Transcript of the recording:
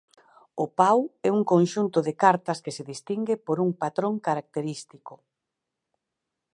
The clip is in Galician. O pau é un conxunto de cartas que se distingue por un patrón característico.